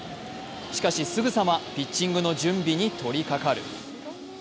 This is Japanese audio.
しかし、すぐさまピッチングの準備に取りかかる。